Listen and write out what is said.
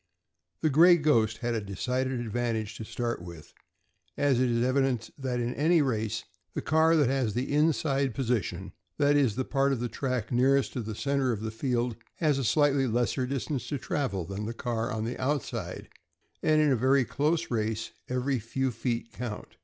The "Gray Ghost" had a decided advantage to start with, as it is evident that in any race the car that has the inside position, that is, the part of the track nearest to the center of the field, has a slightly lesser distance to travel than the car on the outside, and in a close race every few feet count.